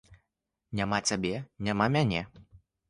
Няма цябе, няма мяне.